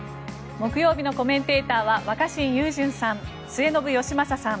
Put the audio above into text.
木曜日のコメンテーターは若新雄純さん、末延吉正さん。